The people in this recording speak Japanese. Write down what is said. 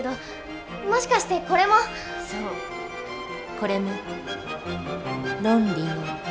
これも「ロンリのちから」。